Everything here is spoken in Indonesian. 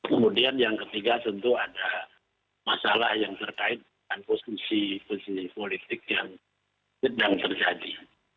kemudian yang ketiga tentu ada masalah yang terkait dengan posisi posisi politik yang sedang terjadi